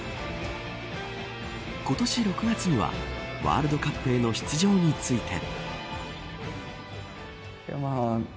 今年６月にはワールドカップへの出場について。